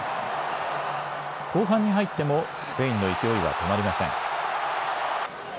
後半に入ってもスペインの勢いは止まりません。